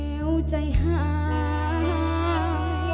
เพลงที่สองเพลงมาครับ